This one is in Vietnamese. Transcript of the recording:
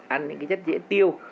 ăn những chất dễ tiêu